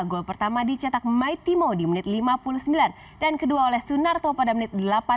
gol pertama dicetak maitimo di menit lima puluh sembilan dan kedua oleh sunarto pada menit delapan puluh